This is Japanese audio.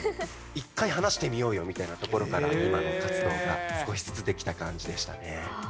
一回話してみようよみたいなところから、今の活動が少しずつできた感じでしたね。